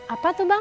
apa tuh bang